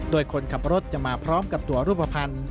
โดยคนขับรถจะมาพร้อมกับตัวรูปภัณฑ์